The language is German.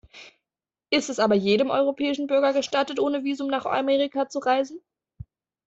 Ist es aber jedem europäischen Bürger gestattet, ohne Visum nach Amerika zu reisen?